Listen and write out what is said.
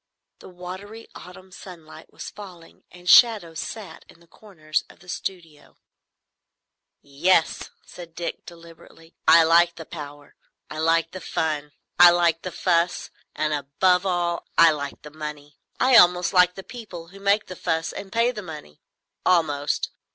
The watery autumn sunlight was falling, and shadows sat in the corners of the studio. "Yes," said Dick, deliberately, "I like the power; I like the fun; I like the fuss; and above all I like the money. I almost like the people who make the fuss and pay the money. Almost.